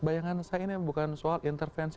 bayangan saya ini bukan soal intervensi